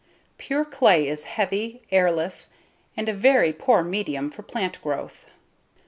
Pure clay is heavy, airless and a very poor medium for plant growth.